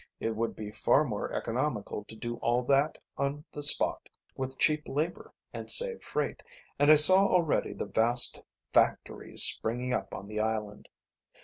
It would be far more economical to do all that on the spot, with cheap labour, and save freight, and I saw already the vast factories springing up on the island.